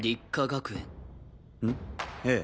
ええ。